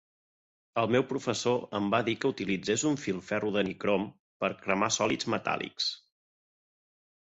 El meu professor em va dir que utilitzés un filferro de nicrom per a cremar sòlids metàl·lics.